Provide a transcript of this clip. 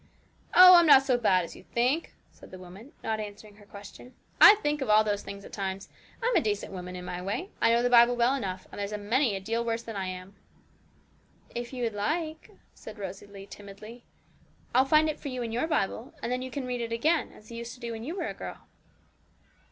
'Oh, I'm not so bad as you think,' said the woman, not answering her question; 'I think of all those things at times. I'm a decent woman in my way. I know the Bible well enough, and there's a many a deal worse than I am!' 'If you would like,' said Rosalie timidly, 'I'll find it for you in your Bible, and then you can read it again, as you used to do when you were a girl.'